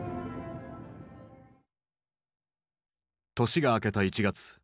年が明けた１月。